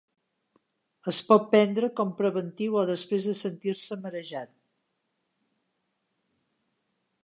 Es pot prendre com preventiu o després de sentir-se marejat.